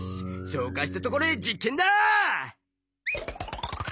消化したところで実験だ！